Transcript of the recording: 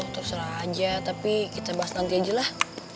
terserah aja tapi kita bahas nanti aja lah